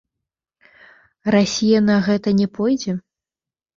Расія на гэта не пойдзе?